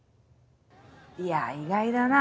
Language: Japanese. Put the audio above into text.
いや意外だな。